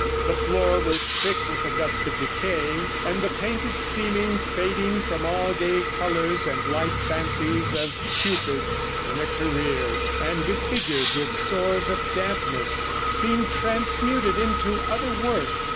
The floor was thick with the dust of decay, and the painted ceiling fading from all gay colours and light fancies of cupids in a career, and disfigured with sores of dampness, seemed transmuted into other work.